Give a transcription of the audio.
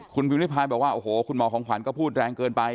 คุณพิมริพายบอกว่าโอ้โหคุณหมอของขวัญก็พูดแรงเกินไป